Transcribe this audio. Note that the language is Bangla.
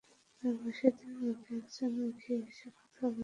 গ্রামবাসীদের মধ্যে একজন এগিয়ে এসে কথা বলতে পারেন।